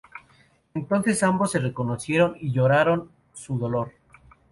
Entonces ambos se reconocieron y lloraron su dolor.